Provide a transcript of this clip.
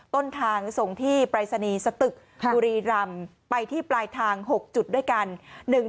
ต้นทางส่งที่ปรายศนีย์สตึกบุรีรำไปที่ปลายทาง๖จุดด้วยกัน